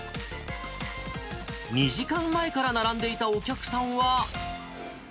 ２時間前から並んでいたお客さんは。